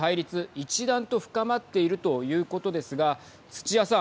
一段と深まっているということですが土屋さん。